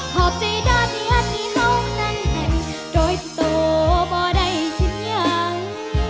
ขอบใจด้านที่อาจมีเฮ้านั่งไหนโดยที่โตบ่ได้เสียง